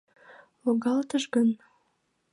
Логалтыш гын?